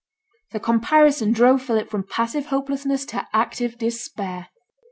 The comparison drove Philip from passive hopelessness to active despair.